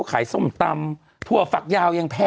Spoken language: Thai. ศูนย์อุตุนิยมวิทยาภาคใต้ฝั่งตะวันอ่อค่ะ